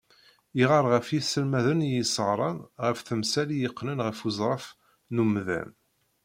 Yeɣɣar ɣer yiselmaden i yesɣran ɣef temsal i iqqnen ɣer uẓref n umdan.